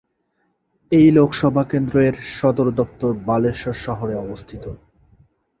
এই লোকসভা কেন্দ্রর সদর দফতর বালেশ্বর শহরে অবস্থিত।